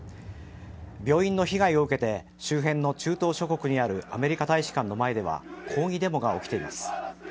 病院の被害を受けて周辺の中東諸国にあるアメリカ大使館の前では抗議デモが起きています。